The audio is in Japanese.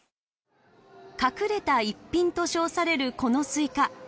「隠れた逸品」と称されるこのスイカ。